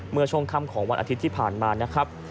เมื่อช่วงค่ำของวันอาทิตย์ที่ผ่านมานะครับ